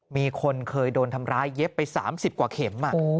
มีคนเคยโดนทำร้ายเย็บไป๓๐กว่าเข็ม